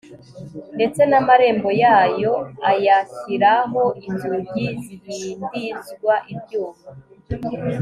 ndetse n'amarembo yayo ayashyiraho inzugi zihindizwa ibyuma